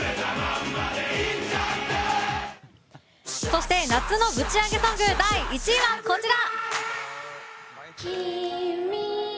そして夏のぶちアゲソング第１位はこちら。